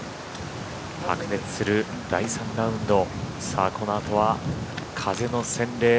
白熱する第３ラウンド。